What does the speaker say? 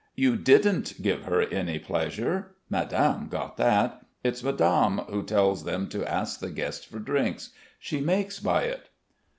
"You didn't give her any pleasure. Madame got that. It's Madame who tells them to ask the guests for drinks. She makes by it."